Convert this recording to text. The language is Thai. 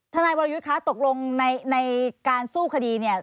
ทนายวรยุทธ์คะตกลงในการสู้คดีเนี่ย